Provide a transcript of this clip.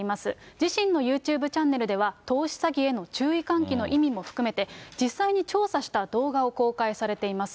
自身のユーチューブチャンネルでは、投資詐欺への注意喚起の意味も含めて、実際に調査した動画を公開されています。